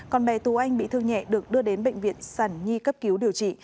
còn bé tú anh bị thương nhẹ được đưa đến bệnh viện sản nhi cấp cứu điều trị